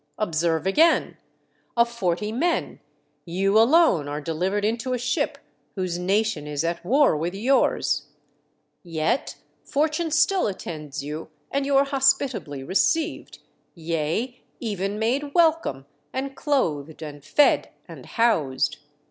Observe again ! Of forty men you alone are delivered into a ship whose nation is at war with yours ! Yet fortune still attends you and you are hospitably received, yea, even made welcome, and clothed and fed and housed."